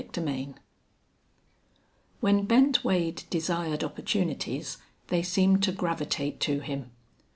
CHAPTER XI When Bent Wade desired opportunities they seemed to gravitate to him.